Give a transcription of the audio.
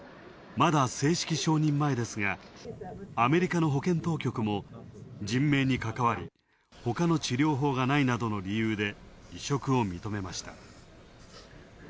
まだ正式承認前ですが、アメリカの保健当局も人命にかかわりほかの治療法がないなどの理由で移植を認めました。